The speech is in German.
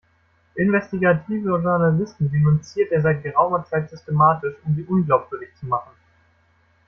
Investigative Journalisten denunziert er seit geraumer Zeit systematisch, um sie unglaubwürdig zu machen.